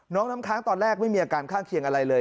น้ำค้างตอนแรกไม่มีอาการข้างเคียงอะไรเลย